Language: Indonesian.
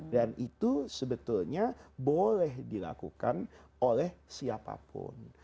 dan itu sebetulnya boleh dilakukan oleh siapapun